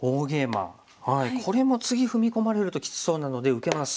これも次踏み込まれるときつそうなので受けます。